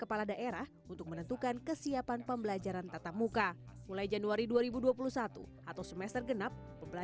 pemda kami senantiasa himbo dan sampaikan untuk tidak tergesa gesa